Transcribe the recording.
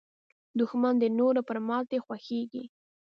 دښمن د نورو پر ماتې خوښېږي